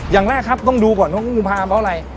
อย่างแรกครับต้องดูก่อนพวกงูพาอะไร